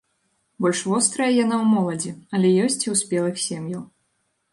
Больш вострая яна ў моладзі, але ёсць і ў спелых сем'яў.